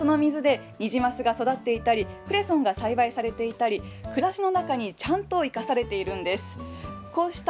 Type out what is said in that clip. しかも、その水でニジマスが育っていたり、クレソンが栽培されていたり、暮らしの中に、ちゃんと生かされているんです。